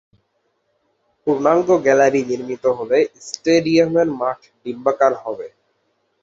পূর্ণাঙ্গ গ্যালারি নির্মিত হলে স্টেডিয়ামের মাঠ ডিম্বাকার হবে।